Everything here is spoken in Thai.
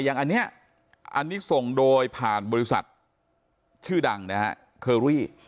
อย่างอันนี้ส่งโดยผ่านบริษัทชื่อดังนะครับเคอรี่